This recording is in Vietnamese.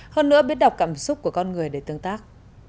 hơn nữa biết đọc cảm xúc của con người để tương tác